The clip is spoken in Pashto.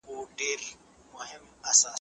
فاتحه اخلم د خــــپلو ارمانونو